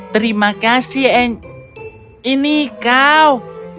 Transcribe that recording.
terima kasih eng ini kau